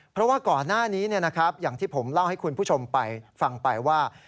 เพราะว่าก่อนหน้านี้อย่างที่ผมเล่าให้คุณผู้ชมไปฟังไปว่า